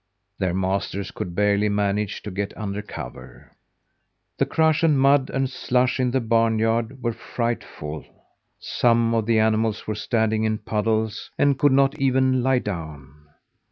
Their masters could barely manage to get under cover. The crush and mud and slush in the barn yard were frightful! Some of the animals were standing in puddles and could not even lie down.